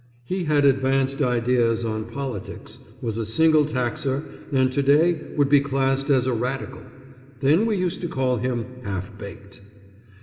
He had advanced ideas on politics, was a single taxer, and to day would be classed as a radical. Then we used to call him Half Baked.